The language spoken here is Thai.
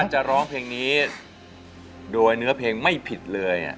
หรือ